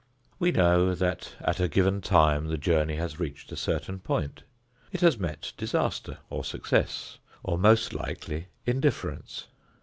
We know that at a given time the journey has reached a certain point; it has met disaster or success, or most likely indifference.